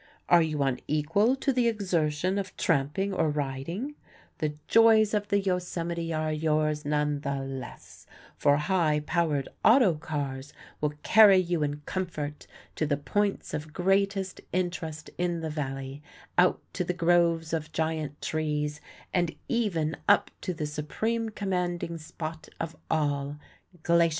Are you unequal to the exertion of tramping or riding? The joys of the Yosemite are yours none the less, for high powered auto cars will carry you in comfort to the points of greatest interest in the Valley, out to the groves of giant trees, and even up to the supreme commanding spot of all Glacier Point.